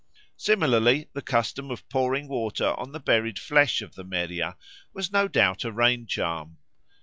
Similarly the custom of pouring water on the buried flesh of the Meriah was no doubt a rain charm.